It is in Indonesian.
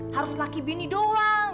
harus laki bini doang